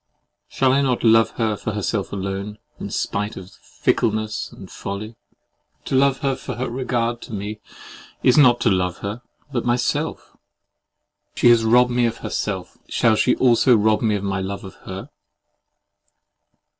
Shall I not love her for herself alone, in spite of fickleness and folly? To love her for her regard to me, is not to love her, but myself. She has robbed me of herself: shall she also rob me of my love of her?